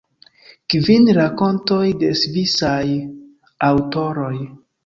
Kvin rakontoj de svisaj aŭtoroj.